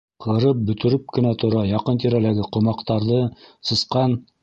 Ҡырып бөтөрөп кенә тора яҡын-тирәләге ҡомаҡтарҙы, сысҡан...